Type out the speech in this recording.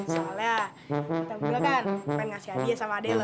soalnya kita berdua kan pengen ngasih hadiah sama ade loh